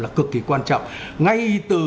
là cực kỳ quan trọng ngay từ